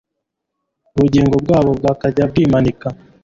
ubugingo bwabo bakajya kwiimanika